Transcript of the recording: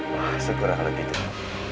masih kurang lebih dulu